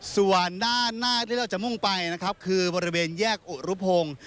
ส่วนด้านหน้าที่เราจะมุ่งไปนะครับคือบริเวณแยกอุรุพงศ์